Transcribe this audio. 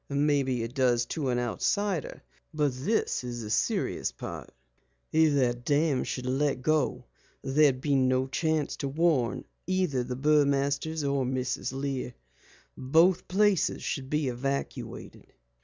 "Maybe it does to an outsider. But this is the serious part. If the dam should let go there'd be no chance to warn either the Burmasters or Mrs. Lear. Both places should be evacuated."